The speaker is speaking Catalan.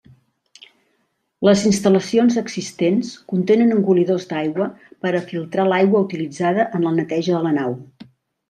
Les instal·lacions existents contenen engolidors d'aigua per a filtrar l'aigua utilitzada en la neteja de la nau.